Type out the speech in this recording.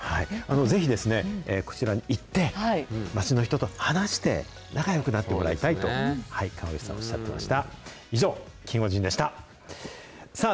ぜひ、こちらに行って、街の人と話して、仲よくなってもらいたいと、川口さんはおっしゃっていました。